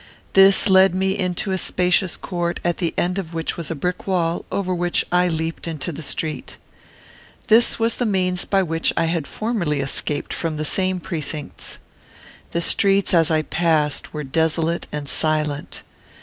This led me into a spacious court, at the end of which was a brick wall, over which I leaped into the street. This was the means by which I had formerly escaped from the same precincts. The streets, as I passed, were desolate and silent.